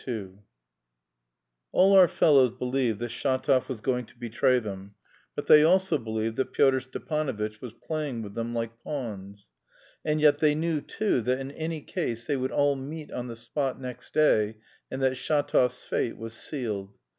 II All our fellows believed that Shatov was going to betray them; but they also believed that Pyotr Stepanovitch was playing with them like pawns. And yet they knew, too, that in any case they would all meet on the spot next day and that Shatov's fate was sealed.